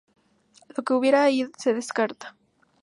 Lo que hubiera ahí se descarta.